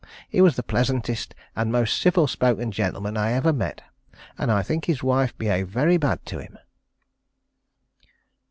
He was the pleasantest and most civil spoken gentleman I ever met, and I think his wife behaved very bad to him.